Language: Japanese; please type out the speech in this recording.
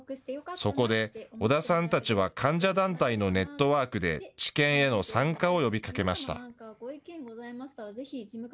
そこで織田さんたちは患者団体のネットワークで、治験への参加を呼びかけました。